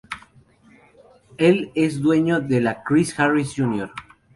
Él es dueño de la "Chris Harris, Jr.